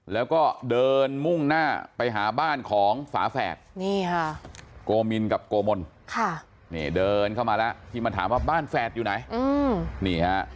แล้วก็เดินมุ่งหน้าไปหาบ้านของฝาแฝดนี่ค่ะโกมินกับโกมนเดินเข้ามาแล้วที่มาถามว่าบ้านแฝดอยู่ไหนนี่ฮะ